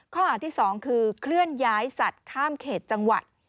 ข้อหาที่๒คือเคลื่อนย้ายสัตว์ข้ามเขตจังหวัด